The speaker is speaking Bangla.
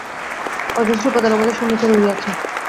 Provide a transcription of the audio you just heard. অজস্র উপাদান আমাদের সম্মুখে রহিয়াছে।